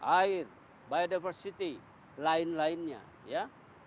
air biodiversity lain lainnya ya